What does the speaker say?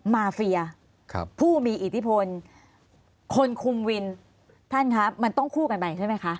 มาเฟียผู้มีอิทธิพลคนคุมวินท่านคะมันต้องคู่กันไปใช่ไหมคะ